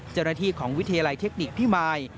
เจ้าหน้าที่ของวิทยาลัยเทคนิคพิมาย